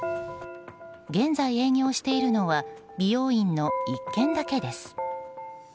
現在営業しているのは美容院の１軒だけです。